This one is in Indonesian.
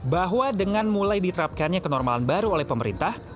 bahwa dengan mulai diterapkannya kenormalan baru oleh pemerintah